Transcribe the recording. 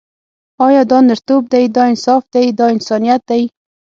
آیا دا نرتوب دی، دا انصاف دی، دا انسانیت دی.